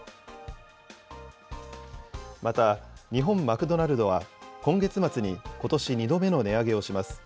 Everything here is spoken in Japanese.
また、日本マクドナルドは、今月末にことし２度目の値上げをします。